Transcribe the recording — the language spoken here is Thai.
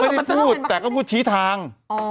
ไม่ได้พูดแต่ก็พูดชี้ทาง